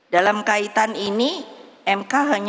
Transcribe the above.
dalam kaitan ini mk hanya memiliki kewenangan menguji